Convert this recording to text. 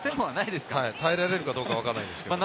耐えられるかどうかわからないんですけれど。